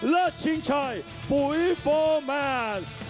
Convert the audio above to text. ชิงชัยปุ๋ยโฟร์แมน